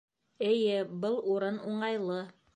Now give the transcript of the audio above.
Эйе, был урын уңайлы